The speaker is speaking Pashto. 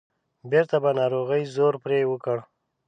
بیرته به ناروغۍ زور پرې وکړ.